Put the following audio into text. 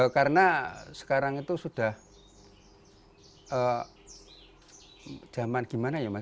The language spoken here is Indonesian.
karena sekarang itu sudah zaman gimana ya mas